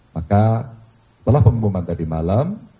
maka setelah pengumuman tadi malam